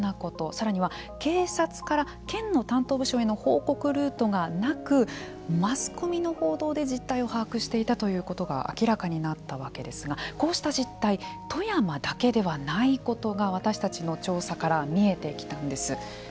さらには警察から県の担当部署への報告ルートがなくマスコミの報道で実態を把握していたということが明らかになったわけですがこうした実態富山だけではないことが私たちの調査から見えてきたんです。